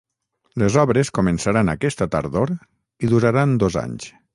Les obres començaran aquesta tardor i duraran dos anys.